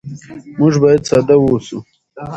موږ باید ساده واوسو.